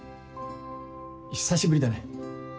久しぶりだね。